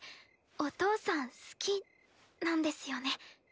お父さん好きなんですよね？